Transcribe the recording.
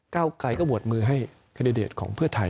เก้าไกรก็โหวตมือให้แคนดิเดตของเพื่อไทย